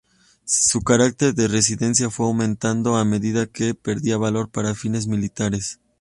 Su carácter de residencia fue aumentando a medida que perdía valor para fines militares.